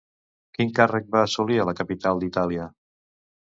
Quin càrrec va assolir a la capital d'Itàlia?